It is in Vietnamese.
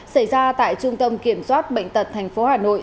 xảy ra tại trung tâm kiểm soát bệnh tật tp hà nội